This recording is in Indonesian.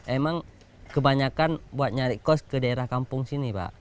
emang kebanyakan buat nyari kos ke daerah kampung sini pak